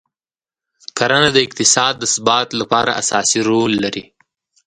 کرنه د اقتصاد د ثبات لپاره اساسي رول لري.